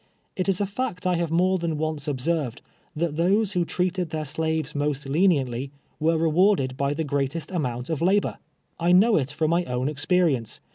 It is a fact I have more than once observed, that those who treated their slaves most leniently, were rewarded by the o;rcatest amount of labor. I know it from my own experience.